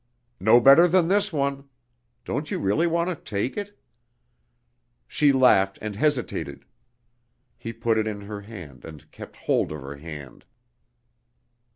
"No better than this one.... Don't you really want to take it?..." She laughed and hesitated. He put it in her hand and kept hold of her hand.